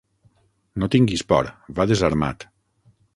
No tinguis por: va desarmat.